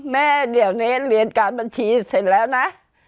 แม่เดี๋ยวนี้เรียนการบัญชีเสร็จแล้วนะ